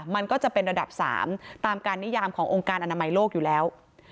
มันก็จะเป็นระดับ๓ตามการนิยามขององค์การอนามัยโลกอยู่แล้ว